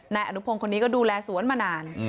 นายอนุพงศ์คนนี้ก็ดูแลสวนมานาน